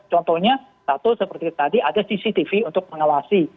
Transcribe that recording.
contohnya satu seperti tadi ada cctv untuk mengawasi